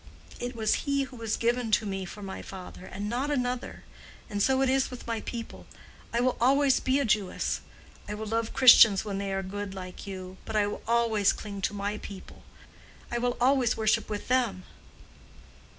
It was he who was given to me for my father, and not another. And so it is with my people. I will always be a Jewess. I will love Christians when they are good, like you. But I will always cling to my people. I will always worship with them."